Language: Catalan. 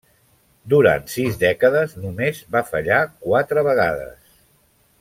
Durant sis dècades només va fallar quatre vegades.